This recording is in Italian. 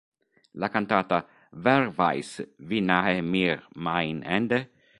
La cantata "Wer weiß, wie nahe mir mein Ende?